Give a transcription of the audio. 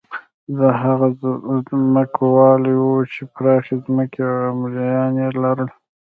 دا هغه ځمکوال وو چې پراخې ځمکې او مریان یې لرل.